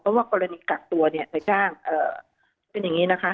เพราะว่ากรณีกักตัวเนี่ยนายจ้างเป็นอย่างนี้นะคะ